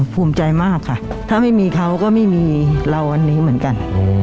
ภูมิใจมากค่ะถ้าไม่มีเขาก็ไม่มีเราวันนี้เหมือนกัน